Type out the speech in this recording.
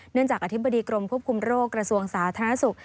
จากอธิบดีกรมควบคุมโรคกระทรวงสาธารณสุข